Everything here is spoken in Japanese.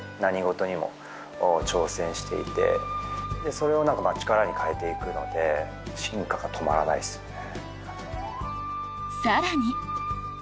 それを力に変えていくので進化が止まらないですね。